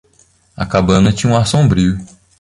A cabana tinha um ar sombrio.